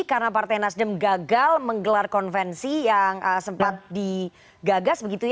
karena partai nasdem gagal menggelar konvensi yang sempat digagas